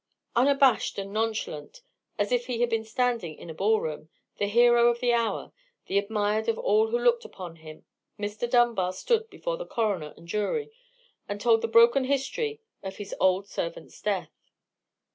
Unabashed and nonchalant as if he had been standing in a ball room, the hero of the hour, the admired of all who looked upon him, Mr. Dunbar stood before the coroner and jury, and told the broken history of his old servant's death.